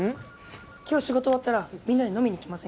今日仕事終わったらみんなで飲みに行きませんか？